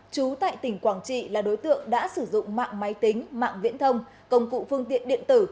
chú tại tỉnh quảng trị là đối tượng đã sử dụng mạng máy tính mạng viễn thông công cụ phương tiện điện tử